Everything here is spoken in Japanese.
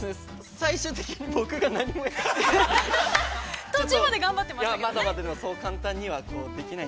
最終的に僕が何もやってない。